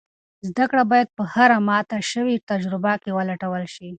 زده کړه باید په هره ماته شوې تجربه کې ولټول شي.